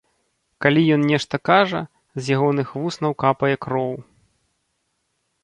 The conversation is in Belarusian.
Калі ён нешта кажа, з ягоных вуснаў капае кроў.